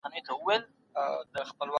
د دورکهايم تر ټولو مهمه مرسته څه وه؟